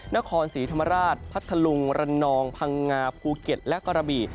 นครศรีธรรมราชพัทธลุงระนองพังงาภูเก็ตและกระบี่